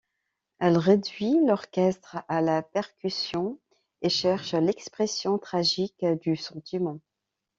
Elle réduit l'orchestre à la percussion et cherche l'expression tragique du sentiment.